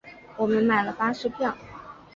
我们买了巴士票